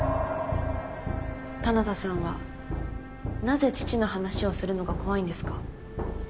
棚田さんはなぜ父の話をするのが怖いんですか？